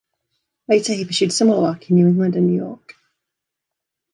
Later he pursued similar work in New England and New York.